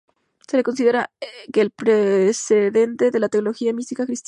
Se le considera el precedente de la teología mística cristiana.